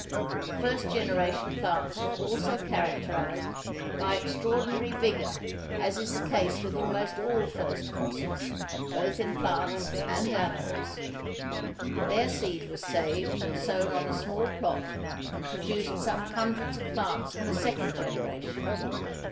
The first generation plants were also characterised by extraordinary vigour, as is the case with almost all first crosses, both in plants and animals. Their seed was saved and sown on a small plot, and produced some hundreds of plants of the second generation.